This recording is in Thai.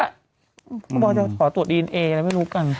เขาบอกจะขอตรวจดีเอนเออะไรไม่รู้กัน